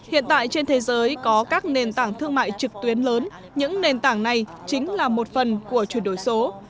hiện tại trên thế giới có các nền tảng thương mại trực tuyến lớn những nền tảng này chính là một phần của chuyển đổi số